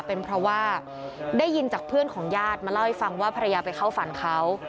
เป็นเพราะว่าได้ยินจากเพื่อนของญาติมาเล่าให้ฟังว่าภรรยาไปเข้าฝันเขา